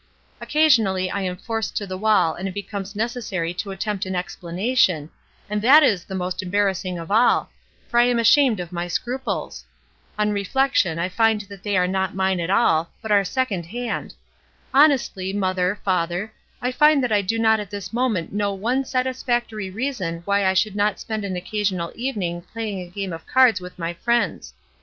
Occasionally I am forced to the wall and it becomes necessary to attempt an explana tion, and that is the most embarrassing of all, for I am ashamed of my scruples. On reflection I find that they are not mine at all, but are second hand. Honestly, mother, father, I find that I do not at this moment know one satis factory reason why I should not spend an occa sional evening playing a game of cards with my friends.